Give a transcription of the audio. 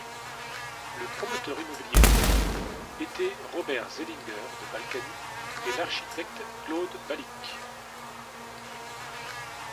Le promoteur immobilier en était Robert Zellinger de Balkany et l'architecte Claude Balick.